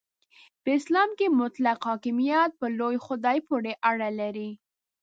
په اسلام کې مطلق حاکمیت په لوی خدای پورې اړه لري.